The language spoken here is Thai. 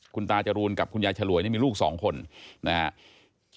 คุณตาจรูนกับคุณยายฉลวยนี่มีลูก๒คนนะครับ